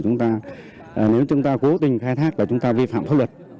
nếu chúng ta cố tình khai thác là chúng ta vi phạm pháp luật